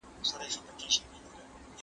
کله چې په کور کې فلم ګورو، وخت ورو ښکاري.